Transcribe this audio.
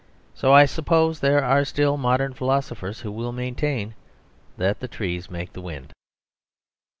So I suppose there are still modern philosophers who will maintain that the trees make the wind.